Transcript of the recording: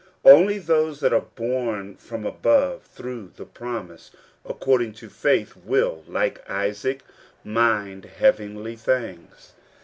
Only those that are born from above through the promise^ according to faith, will, like Isaac, mind heavenly things.